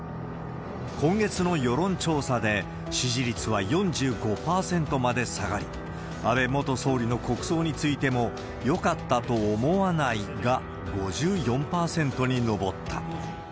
今月の世論調査で、支持率は４５％まで下がり、安倍元総理の国葬についても、よかったと思わないが５４％に上った。